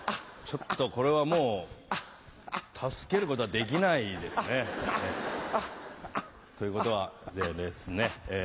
ちょっとこれはもう助けることはできないですね。ということでですね